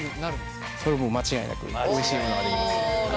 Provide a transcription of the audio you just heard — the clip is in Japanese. それはもう間違いなくおいしいものが出来ます。